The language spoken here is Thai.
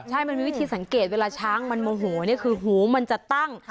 ใช่มันมีวิธีสังเกตเวลาช้างมันโมโหนี่คือหูมันจะตั้ง